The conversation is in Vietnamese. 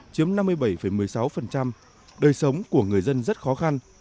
chiếm năm mươi bảy một mươi sáu đời sống của người dân rất khó khăn